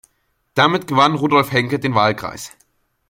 Damit gewann Rudolf Henke den Wahlkreis.